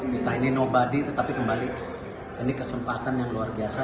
kita ini nobody tetapi kembali ini kesempatan yang luar biasa